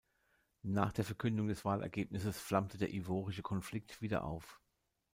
Nach der Verkündung des Wahlergebnisses flammte der ivorische Konflikt wieder auf.